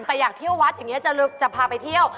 แต่อยากเที่ยววัดอย่างนี้จะพาไปเที่ยว